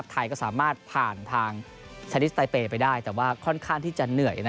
ไทยก็สามารถผ่านทางชาลิสไตเปย์ไปได้แต่ว่าค่อนข้างที่จะเหนื่อย